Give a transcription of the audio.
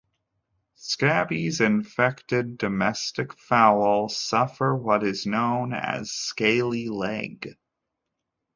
Scabies-infected domestic fowl suffer what is known as "scaly leg".